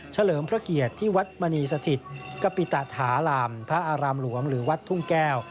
เลิมพระเกียรติที่วัดมณีสถิตกปิตฐาลามพระอารามหลวงหรือวัดทุ่งแก้ว